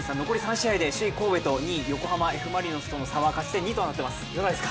首位神戸と２位横浜Ｆ・マリノスの差は勝ち点２となっています